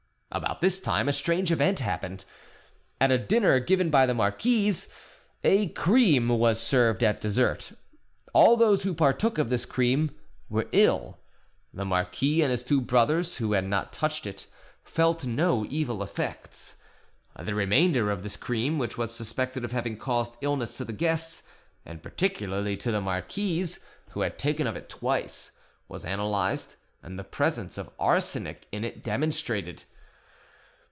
About this time a strange event happened. At a dinner given by the marquise, a cream was served at dessert: all those who partook of this cream were ill; the marquis and his two brothers, who had not touched it, felt no evil effects. The remainder of this cream, which was suspected of having caused illness to the guests, and particularly to the marquise, who had taken of it twice, was analysed, and the presence of arsenic in it demonstrated.